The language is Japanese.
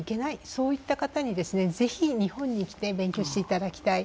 そういった方々にぜひ、日本に来て勉強していただきたい。